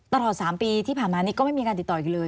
ตลอด๓ปีที่ผ่านมานี้ก็ไม่มีการติดต่ออีกเลย